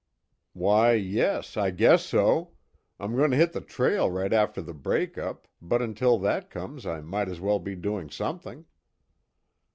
"Why yes, I guess so. I'm going to hit the trail right after the break up, but until that comes I might as well be doing something."